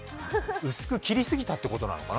薄く切りすぎたということなのかな。